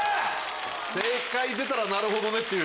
正解出たらなるほどね！っていう。